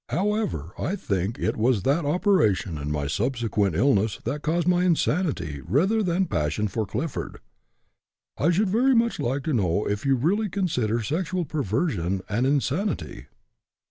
However, I think it was that operation and my subsequent illness that caused my insanity rather than passion for Clifford. I should very much like to know if you really consider sexual perversion an insanity."